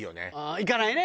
いかないね。